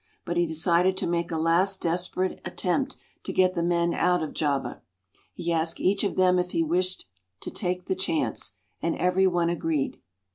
But he decided to make a last desperate attempt to get the men out of Java. He asked each of them if he wished to take the chance, and every one agreed.